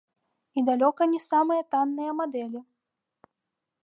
І далёка не самыя танныя мадэлі.